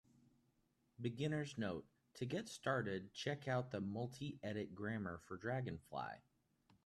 Beginner's note: to get started, check out the multiedit grammar for dragonfly.